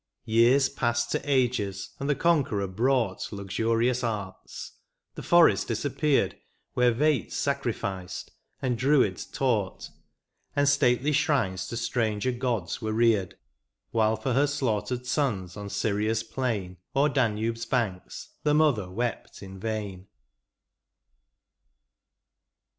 Years passed to ages, and the conqueror brought Luxurious arts — the forest disappeared Where Vates sacrificed, and Druids taught. And stately shrines to stranger gods were reared ; While for her slaughtered sons on Syria's plain. Or Danube's banks, the mother wept in vain.